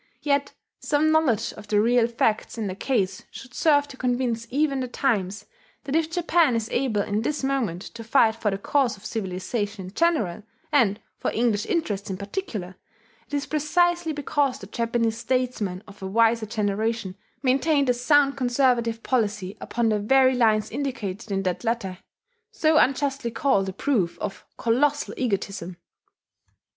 Yet some knowledge of the real facts in the case should serve to convince even the Times that if Japan is able in this moment to fight for the cause of civilization in general, and for English interests in particular, it is precisely because the Japanese statesmen of a wiser generation maintained a sound conservative policy upon the very lines indicated in that letter so unjustly called a proof of "colossal egotism."